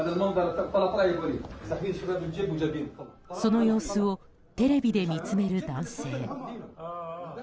その様子をテレビで見つめる男性。